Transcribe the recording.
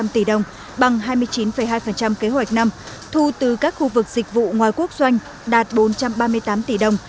tỷ đồng bằng hai mươi chín hai kế hoạch năm thu từ các khu vực dịch vụ ngoài quốc doanh đạt bốn trăm ba mươi tám tỷ đồng